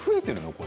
これ。